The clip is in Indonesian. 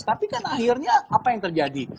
tapi kan akhirnya apa yang terjadi